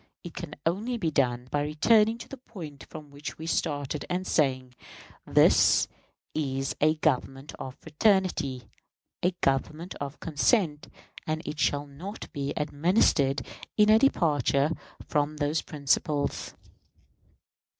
It can only be done by returning to the point from which we started, and saying, "This is a Government of fraternity, a Government of consent, and it shall not be administered in a departure from those principles."